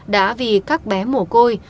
đã vì các bé mổ côi